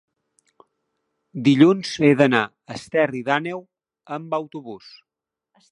dilluns he d'anar a Esterri d'Àneu amb autobús.